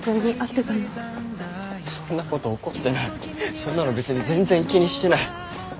そんなの別に全然気にしてない。